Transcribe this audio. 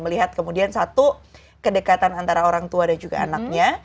melihat kemudian satu kedekatan antara orang tua dan juga anaknya